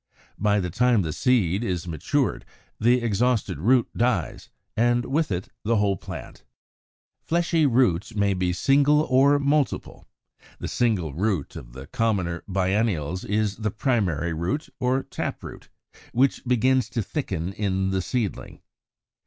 By the time the seed is matured the exhausted root dies, and with it the whole plant. 75. Fleshy roots may be single or multiple. The single root of the commoner biennials is the primary root, or tap root, which begins to thicken in the seedling.